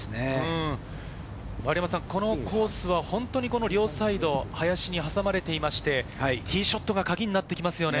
このコースは本当に両サイド、林に挟まれていまして、ティーショットがカギになってきますね。